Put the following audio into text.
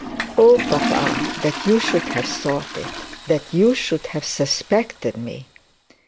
'Oh, papa, that you should have thought it! that you should have suspected me!'